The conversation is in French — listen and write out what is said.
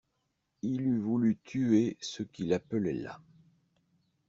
Il eût voulu tuer ceux qui l'appelaient là.